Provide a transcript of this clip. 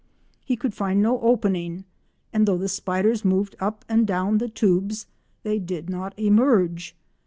He could find no opening, and though the spiders moved up and down the tubes they did not emerge.